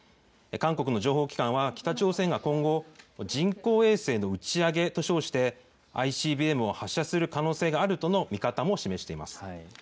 韓国の情報機関は、北朝鮮が今後、人工衛星の打ち上げと称して、ＩＣＢＭを発射する可能性もあるとの見方も示しています。